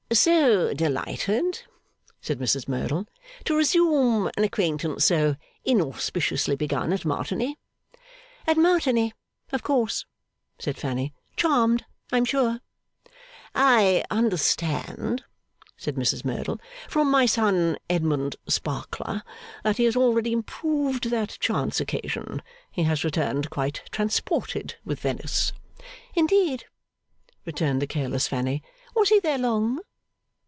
'So delighted,' said Mrs Merdle, 'to resume an acquaintance so inauspiciously begun at Martigny.' 'At Martigny, of course,' said Fanny. 'Charmed, I am sure!' 'I understand,' said Mrs Merdle, 'from my son Edmund Sparkler, that he has already improved that chance occasion. He has returned quite transported with Venice.' 'Indeed?' returned the careless Fanny. 'Was he there long?